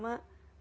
maka yang pertama